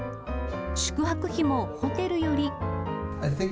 宿泊費もホテルより。